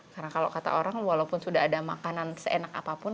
karena kalau kata orang walaupun sudah ada makanan seenak apapun